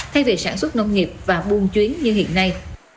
thay vì sản xuất nông nghiệp và buôn chuyến như hiện nay